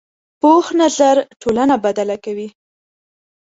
پوخ نظر ټولنه بدله کوي